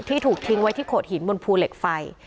ถูกทิ้งไว้ที่โขดหินบนภูเหล็กไฟ